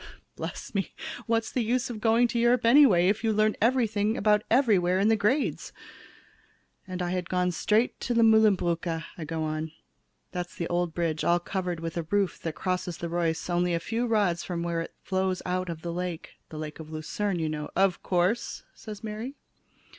Bless me, what's the use of going to Europe anyway, if you learn everything about everywhere in the grades? "And had gone straight to the Mühlenbrücke," I go on, "that's the old bridge all covered with a roof that crosses the Reuss only a few rods from where it flows out of the lake; the lake of Lucerne, you know." "Of course," said Mary.